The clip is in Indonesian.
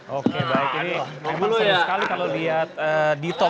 oke baik ini memasang sekali kalau lihat di top